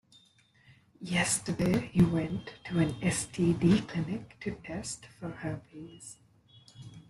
Yesterday, he went to an STD clinic to test for herpes.